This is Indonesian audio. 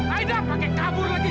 aida pakai kabur lagi